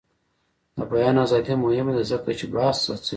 د بیان ازادي مهمه ده ځکه چې بحث هڅوي.